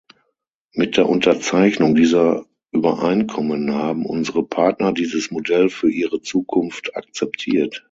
Mit der Unterzeichnung dieser Übereinkommen haben unsere Partner dieses Modell für ihre Zukunft akzeptiert.